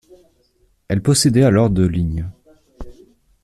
Elle possédait alors de lignes.